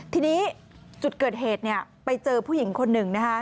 ทีนี้จุดเกิดเหตุไปเจอผู้หญิงคนหนึ่งนะคะ